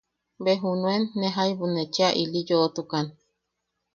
Be junuen ne jaibu ne chea ili yoʼotukan.